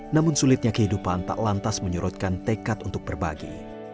namun sulitnya kehidupan tak lantas menyorotkan tekad untuk berbagi